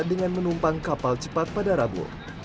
dengan menumpang kapal cepat pada rabu